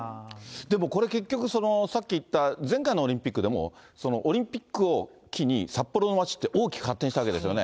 でもこれ、結局さっき言った、前回のオリンピックでも、オリンピックを機に札幌の街って大きく発展したわけですよね。